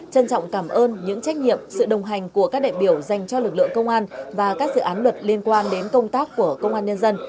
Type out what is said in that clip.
trân trọng cảm ơn những trách nhiệm sự đồng hành của các đại biểu dành cho lực lượng công an và các dự án luật liên quan đến công tác của công an nhân dân